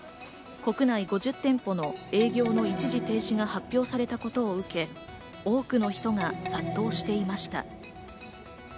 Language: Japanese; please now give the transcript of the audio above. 国内５０店舗の営業の一時停止が発表されていたことを受け、多くの人が殺到していました。